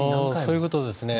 そういうことですね。